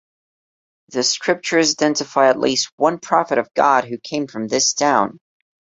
The Scriptures identify at least one prophet of God who came from this town.